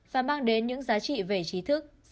và mang đến những giá trị về trí thức